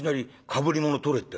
『かぶり物を取れ』。